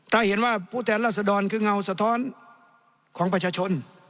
ถ้าเห็นว่าผู้แทนรัศดรคือเงาสะท้อนของประชาชน